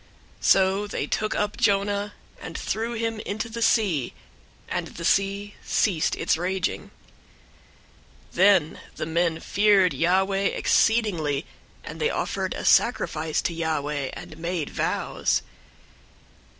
001:015 So they took up Jonah, and threw him into the sea; and the sea ceased its raging. 001:016 Then the men feared Yahweh exceedingly; and they offered a sacrifice to Yahweh, and made vows.